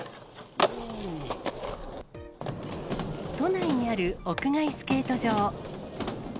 都内にある屋外スケート場。